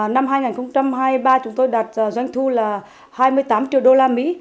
năm hai nghìn hai mươi ba chúng tôi đạt doanh thu là hai mươi tám triệu đô la mỹ